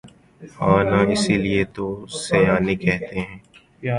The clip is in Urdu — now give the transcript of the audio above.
ہاں نا اسی لئے تو سیانے کہتے ہیں